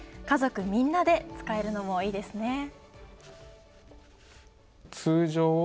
家族みんなで使えるのもいいですね。